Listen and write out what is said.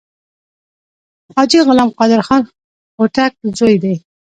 حاجي غلام قادر خان هوتک زوی دی.